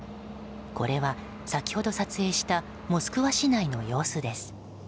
これは先ほど撮影したモスクワ市内の様子です。